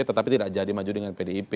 tetapi tidak jadi maju dengan pdip